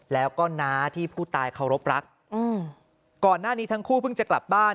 แล้วก็น้าที่ผู้ตายเคารพรักอืมก่อนหน้านี้ทั้งคู่เพิ่งจะกลับบ้าน